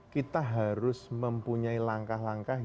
kita harus mempunyai langkah langkah